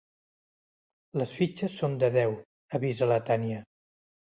Les fitxes són de deu —avisa la Tània—.